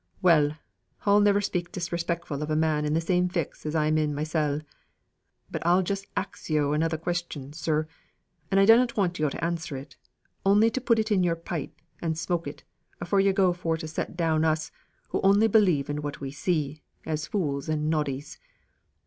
Well! I'll never speak disrespectful of a man in the same fix as I'm in mysel. But I'll just ax yo' another question, sir, and I dunnot want yo' to answer it, only to put in yo'r pipe, and smoke it, afore yo' go for to set down us, who only believe in what we see, as fools and noddies.